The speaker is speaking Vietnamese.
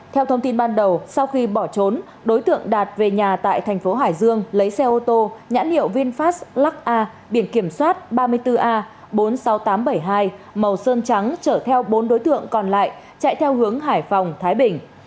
theo thông tin ban đầu sau khi bỏ trốn đối tượng đạt về nhà tại thành phố hải dương lấy xe ô tô nhãn hiệu vinfast lux a biển kiểm soát ba mươi bốn a bốn mươi sáu nghìn tám trăm bảy mươi hai màu sơn trắng chở theo bốn đối tượng còn lại chạy theo hướng hải phòng thái bình